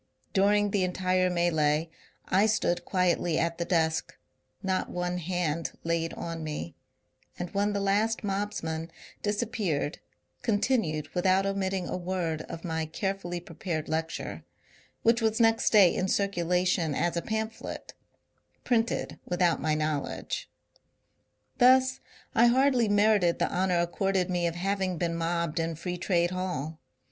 Dur ing the entire melee I stood quietly at the desk, not one hand laid on me, and when the last mobsman disappeared continued without omitting a word of my carefully prepared lecture, — which was next day in circulation as a pamphlet (printed without my knowledge). Thus I hardly merited the honour accorded me of having been mobbed in Free Trade Hall.